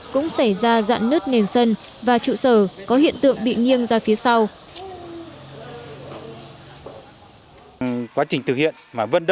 cũng xảy ra dạn nứt nền sân